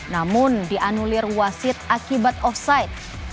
namun dianulir wasit akibat offside